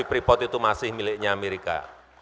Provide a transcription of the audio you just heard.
freeport itu masih miliknya amerika